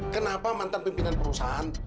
kenapa mantan pimpinan perusahaan